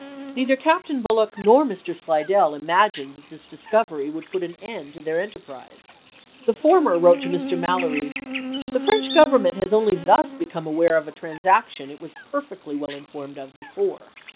Neither Captain Bulloch nor Mr. Slidell imagined that this discovery would put an end to their enter prise. The former wrote to Mr. Mallory: "The nov.26,i863. French Government has only thus become aware of a transaction it was perfectly well informed of before.